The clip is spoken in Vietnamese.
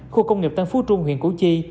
khu công nghiệp tân phú trung huyện củ chi